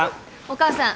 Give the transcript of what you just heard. お母さん。